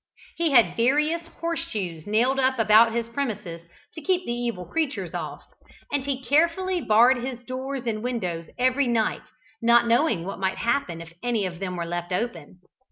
He had various horse shoes nailed up about his premises to keep the evil creatures off, and he carefully barred his doors and windows every night, not knowing what might happen if any of them were left open.